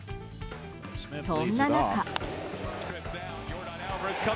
そんな中。